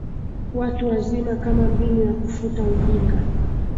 watu wazima kama mbinu ya kufuta ujinga